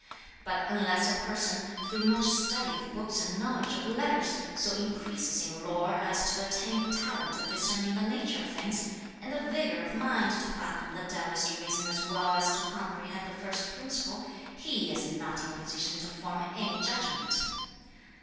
But unless a person, through much study of books and knowledge of letters, so increases (in lore) as to attain the talent of discerning the nature of things, and the vigour of mind to fathom the Taoist reason as well as to comprehend the first principle, he is not in a position to form any judgment."